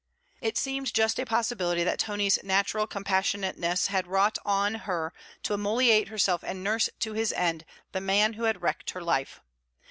It seemed just a possibility that Tony's natural compassionateness had wrought on her to immolate herself and nurse to his end the man who had wrecked her life.